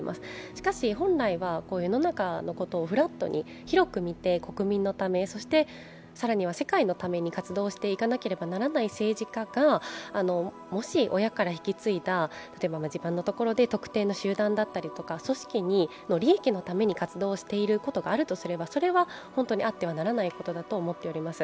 しかし、本来は世の中のことをフラットに広く見て国民のため、そして更には世界のために活動していかなければならない政治家が、もし、親から引き継いだ、例えば地盤のところで特定の集団だったりとか、組織の利益のために活動してるということがあるとすればそれは本当にあってはならないことだと思っております。